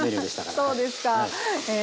そうですかへえ。